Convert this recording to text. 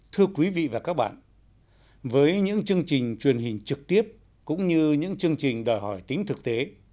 thưa quý vị và các bạn với những chương trình truyền hình trực tiếp cũng như những chương trình đòi hỏi tính thực tế